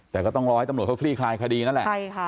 แต่ก็ต้องรอให้ตำรวจเขาคลี่คลายคดีนั่นแหละ